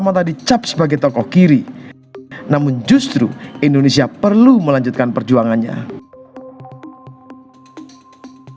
mata dicap sebagai tokoh kiri namun justru indonesia perlu melanjutkan perjuangannya